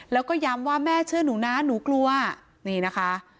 แล้วก็ย้ำว่าแม่เชื่อหนูนะหนูกลัวนี่นะคะ